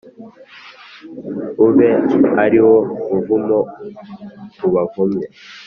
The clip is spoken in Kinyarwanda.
ube ari wo muvumo ubavumye.